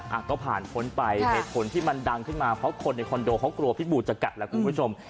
อ่ะก็ผ่านพ้นไปเหตุผลที่มันดังขึ้นมาเพราะคนในคอนโดเขากลัวพิษบูจะกัดแล้วคุณผู้ชม